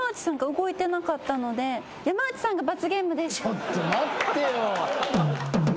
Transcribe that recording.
ちょっと待ってよ。